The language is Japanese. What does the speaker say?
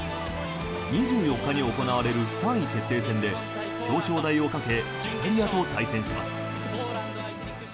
２４日に行われる３位決定戦で表彰台をかけイタリアと対戦します。